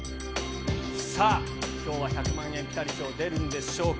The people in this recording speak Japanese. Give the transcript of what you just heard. さあ、きょうは１００万円ピタリ賞出るんでしょうか。